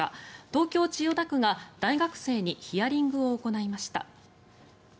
東京・千代田区が大学生にヒアリングを行いました。